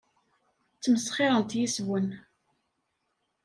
Ssmesxirent yes-wen.